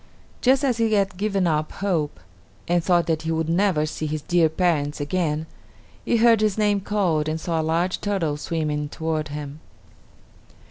Just as he had given up hope, and thought that he would never see his dear parents again, he heard his name called and saw a large turtle swimming toward him.